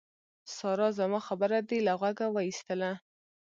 سارا! زما خبره دې له غوږه واېستله.